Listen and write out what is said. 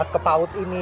ke paut ini